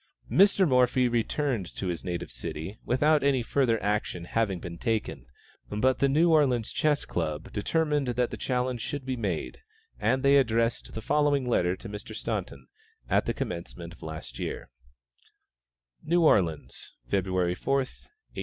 Mr. Morphy returned to his native city without any further action having been taken, but the New Orleans Chess Club determined that the challenge should be made, and they addressed the following letter to Mr. Staunton, at the commencement of last year: NEW ORLEANS, February 4, 1858.